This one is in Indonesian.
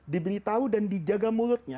diberitahu dan dijaga mulutnya